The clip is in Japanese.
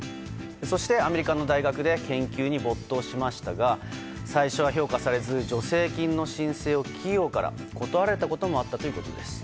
そしてアメリカの大学で研究に没頭しましたが最初は評価されず助成金の申請を企業から断られたこともあったということです。